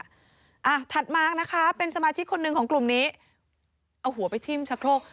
ถัดมานะคะเป็นสมาชิกคนหนึ่งของกลุ่มนี้เอาหัวไปทิ้มชะโครก